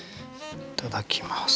いただきます。